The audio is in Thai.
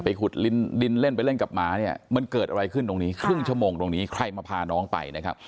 ขุดดินเล่นไปเล่นกับหมาเนี่ยมันเกิดอะไรขึ้นตรงนี้ครึ่งชั่วโมงตรงนี้ใครมาพาน้องไปนะครับ